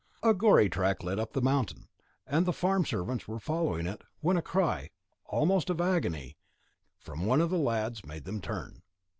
A gory track led up the mountain, and the farm servants were following it, when a cry, almost of agony, from one of the lads, made them turn.